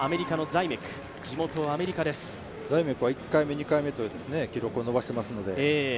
ザイメクは１回目、２回目と記録を伸ばしていますので。